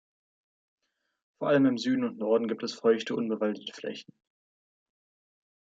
Vor allem im Süden und Norden gibt es feuchte, unbewaldete Flächen.